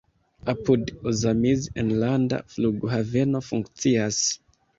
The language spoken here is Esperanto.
Apud Ozamiz enlanda flughaveno funkcias.